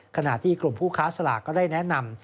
ขณะที่กลุ่มผู้ค้าสลากก็ได้แนะนำ